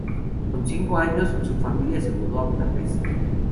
Con cinco años, su familia se mudó a Budapest.